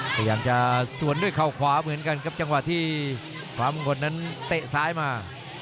พยายามจะสวนด้วยเข่าขวาเหมือนกันครับจังหวะที่ฟ้ามงคลนั้นเตะซ้ายมา